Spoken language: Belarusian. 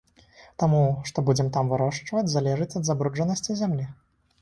Таму, што будзем там вырошчваць, залежыць ад забруджанасці зямлі.